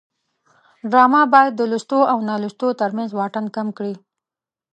ډرامه باید د لوستو او نالوستو ترمنځ واټن کم کړي